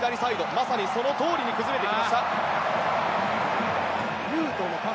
まさに、そのとおりに崩れていきました。